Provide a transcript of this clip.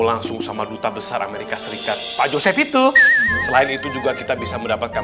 langsung sama duta besar amerika serikat pak josep itu selain itu juga kita bisa mendapatkan